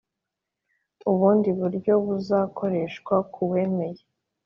ubundi buryo buzakoreshwa ku wemeye